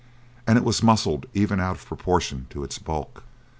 And it was muscled even out of proportion to its bulk.